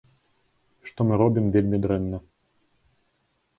Што мы робім вельмі дрэнна.